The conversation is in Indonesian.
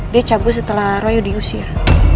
dia cabut setelah roy diusir